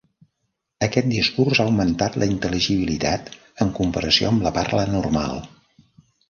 Aquest discurs ha augmentat la intel·ligibilitat en comparació amb la parla normal.